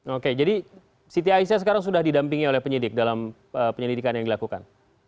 oke jadi siti aisyah sekarang sudah didampingi oleh penyidik dalam penyelidikan yang dilakukan